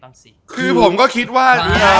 คือผมก็คิดว่า